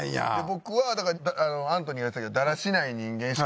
僕はだからアントニーが言ってたけど「だらしない人間しかいません」